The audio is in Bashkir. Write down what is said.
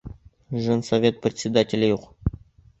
Женсовет председателе юҡ.